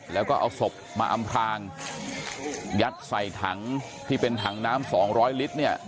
แล้วก็เอาศพมาอำพลางยัดใส่ถังที่เป็นถังน้ำสองร้อยลิตรเนี่ย